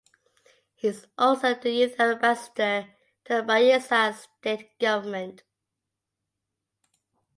He is also the Youth Ambassador to the Bayelsa State Government.